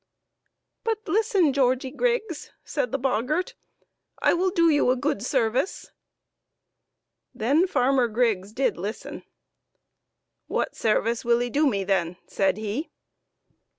But listen, Georgie Griggs," said the boggart ;" I will do you a good service." Then Farmer Griggs did listen. " What sarvice will 'ee do me then ?" said he.